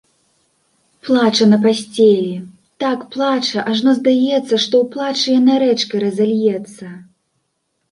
Плача на пасцелі, так плача, ажно здаецца, што ў плачы яна рэчкай разальецца.